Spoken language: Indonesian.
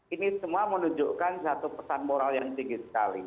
ini semua menunjukkan satu pesan moral yang tinggi sekali